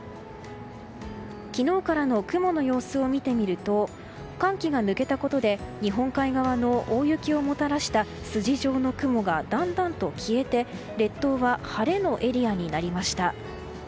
昨日からの雲の様子を見てみると寒気が抜けたことで日本海側の大雪をもたらした筋状の雲がだんだんと消えて列島は晴れのエリアになりました。